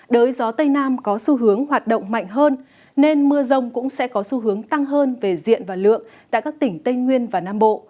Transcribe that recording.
đới gió tây nam có xu hướng hoạt động mạnh hơn nên mưa rông cũng sẽ có xu hướng tăng hơn về diện và lượng tại các tỉnh tây nguyên và nam bộ